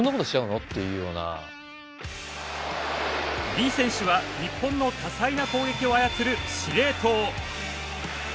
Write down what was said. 李選手は日本の多彩な攻撃を操る司令塔。